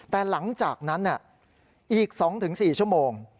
แต่หลังจากนั้นอีก๒๔ชั่วโมง